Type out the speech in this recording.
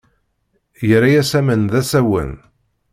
Yerra-as aman d asawen.